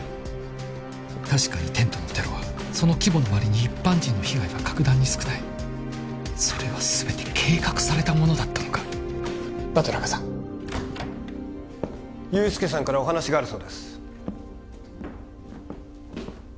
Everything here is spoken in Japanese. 確かにテントのテロはその規模のわりに一般人の被害は格段に少ないそれは全て計画されたものだったのかバトラカさん憂助さんからお話があるそうです